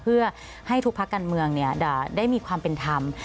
เพื่อให้ทุกภาคการเมืองได้มีความเป็นธรรม